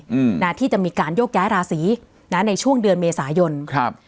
อืมนะที่จะมีการโยกย้ายราศีนะในช่วงเดือนเมษายนครับ